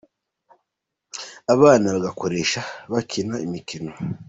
abana bagakoresheje bakina imikino